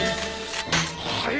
はい！